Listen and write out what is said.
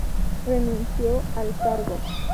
Renunció al cargo.